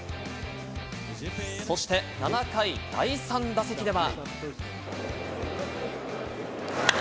そして７回、第３打席では。